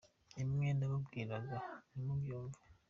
Imwe nababwiraga ntimubyumve